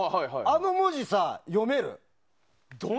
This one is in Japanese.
あの文字読める？